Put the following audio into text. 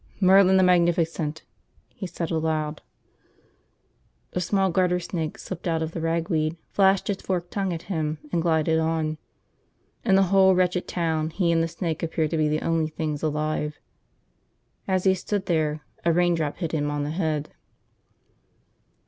"Merlin the Magnificent," he said aloud. A small garter snake slipped out of the ragweed, flashed its forked tongue at him, and glided on. In the whole wretched town, he and the snake appeared to be the only things alive. As he stood there, a raindrop hit him on the head.